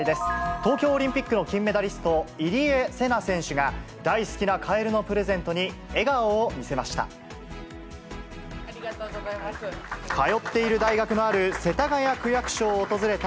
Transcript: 東京オリンピックの金メダリスト、入江聖奈選手が、大好きなカエルのプレゼントに、笑顔を見せました。